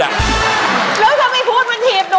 แล้วทำไมพูดมันถีบหนู